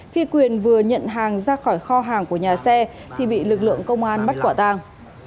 khi quyền vừa nhận hàng ra khỏi kho hàng của nhà xe thì bị lực lượng công an bắt quả tàng